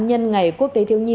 nhân ngày quốc tế thiêu nhi